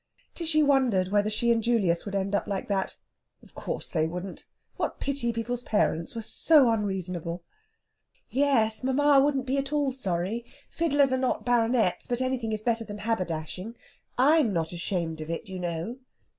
Tishy wondered whether she and Julius would end up like that. Of course they wouldn't! What pity people's parents were so unreasonable! "Yes; mamma wouldn't be at all sorry. Fiddlers are not Baronets, but anything is better than haberdashing. I'm not ashamed of it, you know."